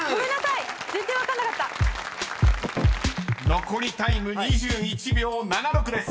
［残りタイム２１秒７６です］